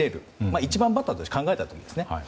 １番バッターとして考えた時にですね。